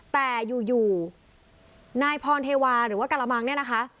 แต่อยู่นายพรเทวาหรือว่ากระมังเนี่ยนะคะ